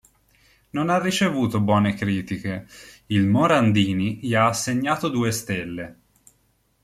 Non ha ricevuto buone critiche, "Il Morandini" gli ha assegnato due stelle.